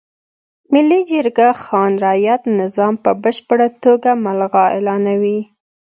ملي جرګه خان رعیت نظام په بشپړه توګه ملغا اعلانوي.